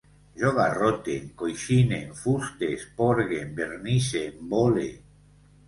Jo garrote, encoixine, enfuste, esporgue, envernisse, embole